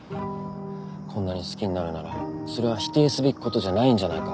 こんなに好きになるならそれは否定すべきことじゃないんじゃないか。